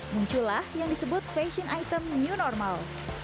muncullah yang disebut fashion item new normal